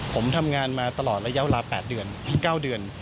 ผมทำงานมาตลอดระยะเวลา๘เดือน๙เดือน